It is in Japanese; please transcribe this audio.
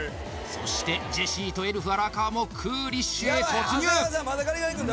そしてジェシーとエルフ・荒川もクーリッシュへ突入うん